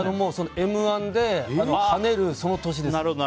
「Ｍ‐１」で跳ねる年です。